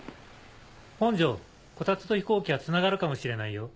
本庄コタツと飛行機はつながるかもしれないよ。